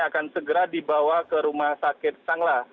akan segera dibawa ke rumah sakit sanglah